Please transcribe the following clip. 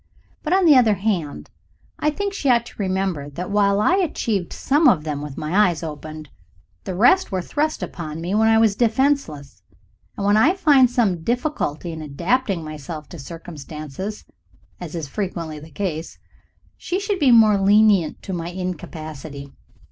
But, on the other hand, I think she ought to remember that while I achieved some of them with my eyes open, the rest were thrust upon me when I was defenceless, and when I find some difficulty in adapting myself to circumstances, as is frequently the case, she should be more lenient to my incapacity.